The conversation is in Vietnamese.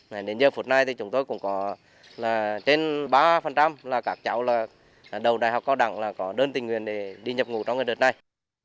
nên đến giờ phút này thì chúng tôi cũng có là trên ba là các cháu là đầu đại học cao đẳng là có đơn tình nguyện để đi nhập ngũ trong cái đợt này